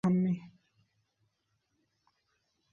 তিনি কখনোই যাজক হিসেবে নিযুক্ত হননি অথবা বিশপ হিসেবে অভিষিক্ত হননি।